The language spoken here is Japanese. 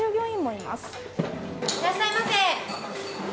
いらっしゃいませ。